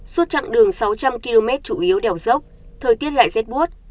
suốt chặng đường sáu trăm linh km chủ yếu đèo dốc thời tiết lại rét buốt